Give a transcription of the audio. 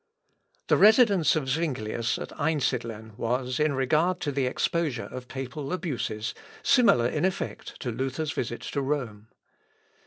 The residence of Zuinglius at Einsidlen was, in regard to the exposure of papal abuses, similar in effect to Luther's visit to Rome.